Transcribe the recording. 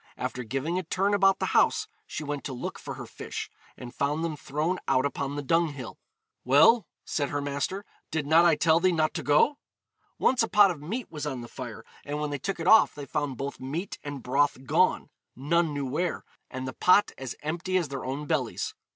After giving a turn about the house, she went to look for her fish, and found them thrown out upon the dunghill. 'Well,' said her master, 'did not I tell thee not to go?' Once a pot of meat was on the fire, and when they took it off they found both meat and broth gone, none knew where, and the pot as empty as their own bellies.